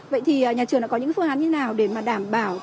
vậy thì nhà trường có những phương án như thế nào để đảm bảo